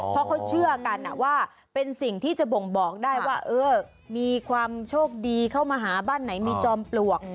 เพราะเขาเชื่อกันว่าเป็นสิ่งที่จะบ่งบอกได้ว่าเออมีความโชคดีเข้ามาหาบ้านไหนมีจอมปลวก